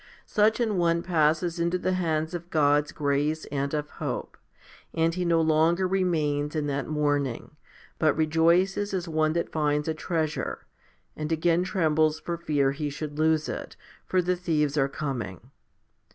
Such an one passes into the hands of God's grace and of hope, and he no longer remains in that mourning, but rejoices as one that finds a treasure, and again trembles for fear he should lose it, for the thieves 140 FIFTY SPIRITUAL HOMILIES are coming.